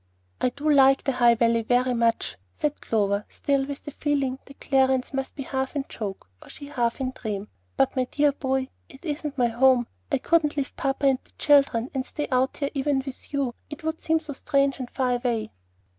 "I do like the High Valley very much," said Clover, still with the feeling that Clarence must be half in joke, or she half in dream. "But, my dear boy, it isn't my home. I couldn't leave papa and the children, and stay out here, even with you. It would seem so strange and far away."